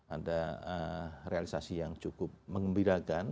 ada realisasi yang cukup mengembirakan